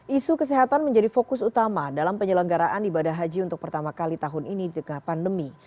isu kesehatan menjadi fokus utama dalam penyelenggaraan ibadah haji untuk pertama kali tahun ini di tengah pandemi